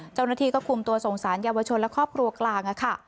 เจ้าหน้าที่ก็คุมตัวส่งสารเยาวชนและครอบครัวกลางค่ะ